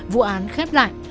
vụ án khép lại